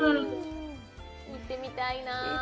行ってみたいなぁ。